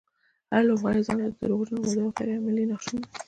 هر لوبغاړی ځانته د دروغجنو وعدو او غير عملي نقشونه.